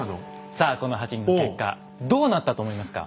さあこの８人の結果どうなったと思いますか？